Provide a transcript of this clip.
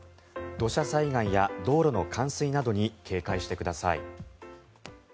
土砂災害や道路の冠水などに警戒してください。